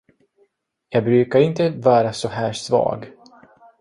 Jag brukar inte vara så här svag.